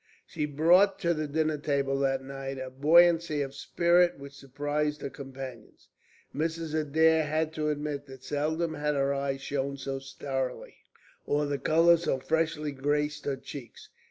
She brought to the dinner table that night a buoyancy of spirit which surprised her companions. Mrs. Adair had to admit that seldom had her eyes shone so starrily, or the colour so freshly graced her cheeks.